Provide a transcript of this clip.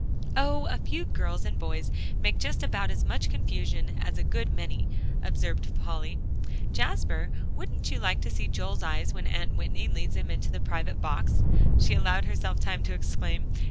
"Oh! a few girls and boys make just about as much confusion as a good many," observed Polly. "Jasper, wouldn't you like to see Joel's eyes when Aunt Whitney leads him into the private box?" she allowed herself time to exclaim.